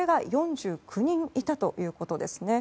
４９人いたということです。